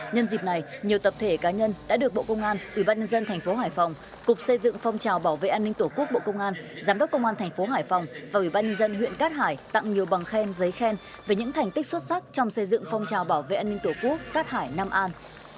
nhân dịp này nhiều tập thể cá nhân đã được bộ công an ủy ban nhân dân thành phố hải phòng cục xây dựng phong trào bảo vệ an ninh tổ quốc bộ công an giám đốc công an thành phố hải phòng và ủy ban nhân dân huyện cát hải tặng nhiều bằng khen giấy khen về những thành tích xuất sắc trong xây dựng phong trào bảo vệ an ninh tổ quốc cát hải nam an